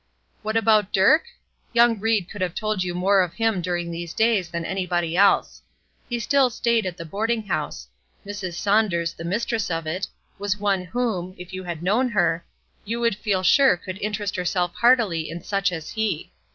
What about Dirk? Young Ried could have told you more of him during these days than anybody else. He still stayed at the boarding house. Mrs. Saunders, the mistress of it, was one whom, if you had known her, you would feel sure could interest herself heartily in such as he.